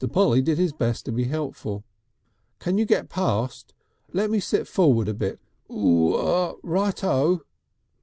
Polly did his best to be helpful. "Can you get past? Lemme sit forward a bit. Urr oo! Right O."